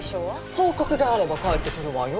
報告があれば帰ってくるわよ